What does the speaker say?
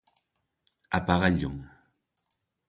Apaga el llum.